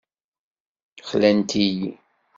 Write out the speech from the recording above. Xlant-iyi.